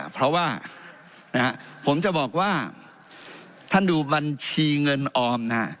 เพราะว่าผมจะบอกว่าท่านดูบัญชีเงินออมนะฮะ